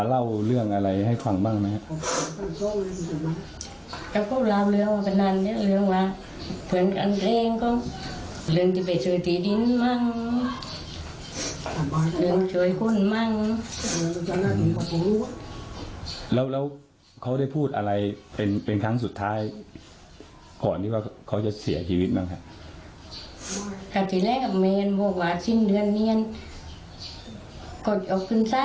แล้วเขาได้พูดอะไรเป็นครั้งสุดท้ายก่อนที่ว่าเขาจะเสียชีวิตบ้างค่ะ